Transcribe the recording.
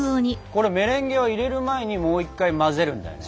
メレンゲは入れる前にもう一回混ぜるんだよね？